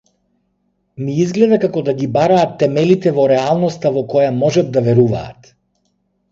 Ми изгледа како да ги бараат темелите во реалноста во која можат да веруваат.